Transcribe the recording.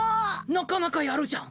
なかなかやるじゃん。